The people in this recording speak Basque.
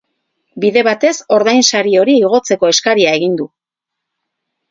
Bide batez, ordainsari hori igotzeko eskaria egin du.